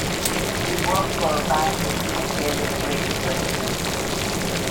He worked for a bank which soon failed in the Great Depression.